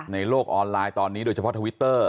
ในโลกออนไลน์ตอนนี้โดยเฉพาะทวิตเตอร์